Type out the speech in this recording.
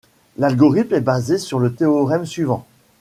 L'algorithme est basé sur le théorème suivant.